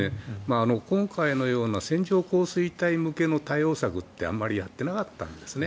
今回のような線状降水帯向けの対応策ってあまりやってなかったんですね。